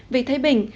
về thái bình